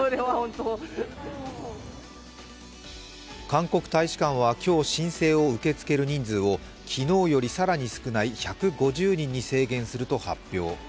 韓国大使館は今日申請を受け付ける人数を昨日より更に少ない１５０人に制限すると発表。